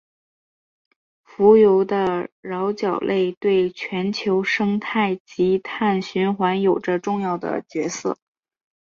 浮游的桡脚类对全球生态及碳循环有着重要的角色。